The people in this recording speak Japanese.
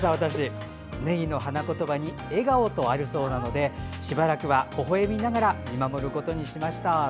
ねぎの花言葉に笑顔とあるそうなのでしばらくは、ほほえみながら見守ることにしました。